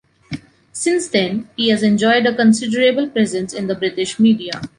Since then, he has enjoyed a considerable presence in the British media.